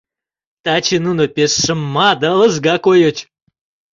Таче нуно пеш шыма да лыжга койыч.